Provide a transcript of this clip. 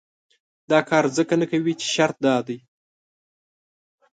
دا کار ځکه نه کوي چې شرط دا دی.